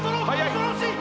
恐ろしい！